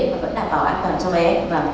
và vẫn đảm bảo an toàn cho bé